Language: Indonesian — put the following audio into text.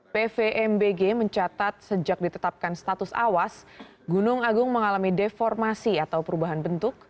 pvmbg mencatat sejak ditetapkan status awas gunung agung mengalami deformasi atau perubahan bentuk